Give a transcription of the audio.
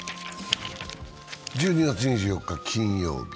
１２月２４日金曜日。